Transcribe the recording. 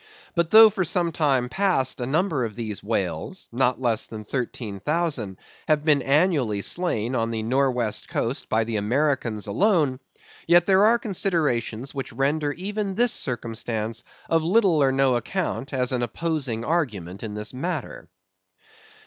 But though for some time past a number of these whales, not less than 13,000, have been annually slain on the nor' west coast by the Americans alone; yet there are considerations which render even this circumstance of little or no account as an opposing argument in this matter.